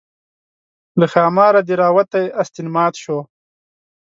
له ښاماره دې راوتى استين مات شو